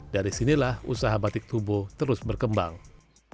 dari sinilah usaha batik tubuh terlalu